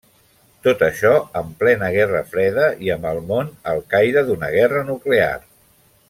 Tot això en plena guerra freda i amb el món al caire d'una guerra nuclear.